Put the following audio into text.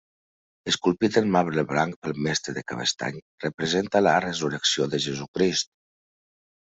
Esculpit en marbre blanc pel Mestre de Cabestany, representa la resurrecció de Jesucrist.